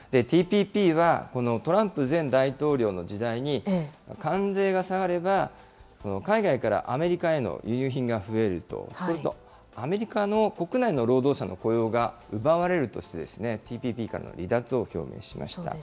ＴＰＰは、このトランプ前大統領の時代に、関税が下がれば、海外からアメリカへの輸入品が増えると、そうすると、アメリカの国内の労働者の雇用が奪われるとして、ＴＰＰからの離脱を表明しました。